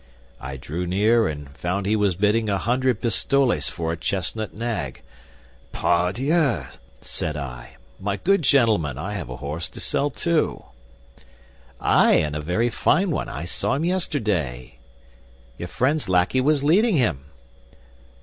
I drew near, and found he was bidding a hundred pistoles for a chestnut nag. 'Pardieu,' said I, 'my good gentleman, I have a horse to sell, too.' 'Ay, and a very fine one! I saw him yesterday; your friend's lackey was leading him.